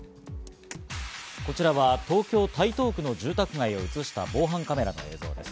こちらは東京・台東区の住宅街を映した防犯カメラの映像です。